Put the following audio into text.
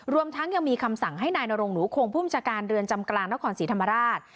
รวมทั้งยังมีคำสั่งให้นายนรงหนูคงภูมิชาการเรือนจำกลางนครศรีธรรมราช